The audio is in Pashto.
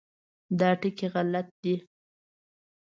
دا ټکي غلط دي.